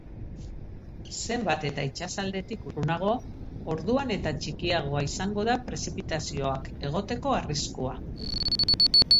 Zenbat eta itsasaldetik urrunago, orduan eta txikiagoa izango da prezipitazioak egoteko arriskua.